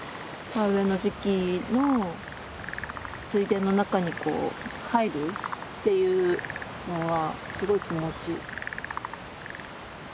田植えの時期の水田の中に入るっていうのはすごい気持ちいい。